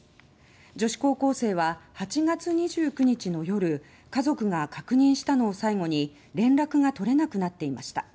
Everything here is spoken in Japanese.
女子高校生は８月２９日の夜家族が確認したのを最後に連絡が取れなくなっていました。